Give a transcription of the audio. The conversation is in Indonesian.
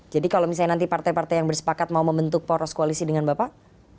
jadi kalau misalnya nanti partai partai yang bersepakat mau membentuk poros koalisi dengan bapak